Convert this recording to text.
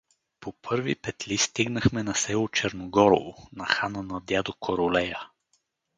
По първи петли стигнахме на село Черногорово, на хана на дядо Королея.